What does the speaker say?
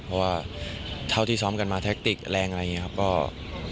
เพราะว่าเท่าที่ซ้อมกันมาแท็กติกแรงอะไรอย่างนี้ครับก็